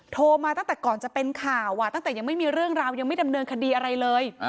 โทรมาตั้งแต่ก่อนจะเป็นข่าวตั้งแต่ยังไม่มีเรื่องราวยังไม่ดำเนินคดีอะไรเลย